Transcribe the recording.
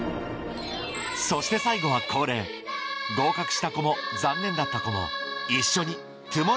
そして最後は恒例合格した子も残念だった子も